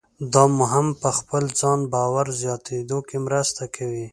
دا مو هم په خپل ځان باور زیاتېدو کې مرسته کوي.